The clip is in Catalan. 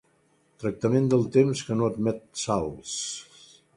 Tractament del temps que no admet salts.